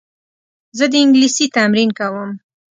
زه د انګلیسي تمرین کوم.